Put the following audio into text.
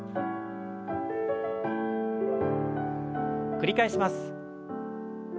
繰り返します。